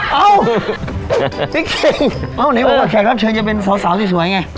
วันนี้มึงมาแข่งทหารเข้าใจจะเป็นสาวสวยไง